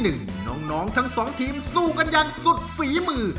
น้องทั้งสองทีมสู้กันอย่างสุดฝีมือ